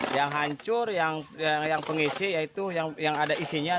yang hancur yang pengisi yaitu yang ada isinya satu ratus tiga belas